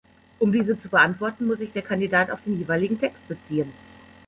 Um diese zu beantworten, muss sich der Kandidat auf den jeweiligen Text beziehen.